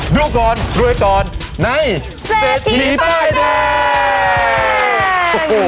ดูกรรด้วยกรในเศษฐีฟ้าเต็ม